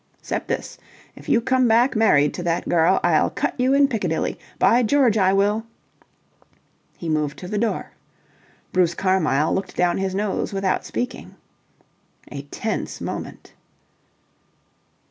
"'Cept this. If you come back married to that girl, I'll cut you in Piccadilly. By George, I will!" He moved to the door. Bruce Carmyle looked down his nose without speaking. A tense moment.